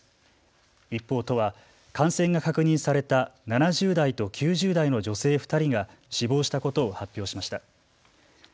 一方、都は感染が確認された７０代と９０代の女性２人が死亡したことを発表しました。